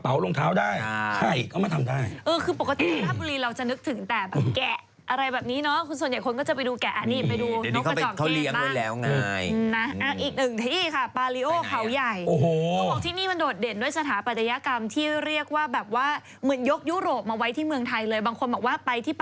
รองเท้าได้ไข่ก็มาทำได้เออคือปกติราชบุรีเราจะนึกถึงแต่แบบแกะอะไรแบบนี้เนาะคือส่วนใหญ่คนก็จะไปดูแกะอันนี้ไปดูนกกระจอกที่ลิงบ้างแล้วไงนะอีกหนึ่งที่ค่ะปาริโอเขาใหญ่โอ้โหเขาบอกที่นี่มันโดดเด่นด้วยสถาปัตยกรรมที่เรียกว่าแบบว่าเหมือนยกยุโรปมาไว้ที่เมืองไทยเลยบางคนบอกว่าไปที่ป